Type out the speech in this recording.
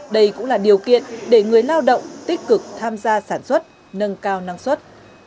đây cũng là điều kiện để người lao động tích cực tham gia sản xuất nâng cao năng suất